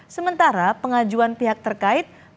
sementara pengajuan pihak terkait